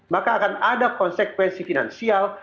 maka akan ada konsekuensi finansial